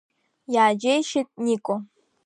Иааџьеишьеит Нико.